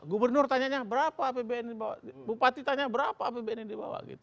gubernur tanyanya berapa apbn dibawa bupati tanya berapa apbn yang dibawa